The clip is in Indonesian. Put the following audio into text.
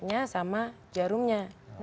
ceknya sama jarumnya